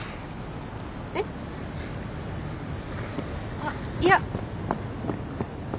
あっいや。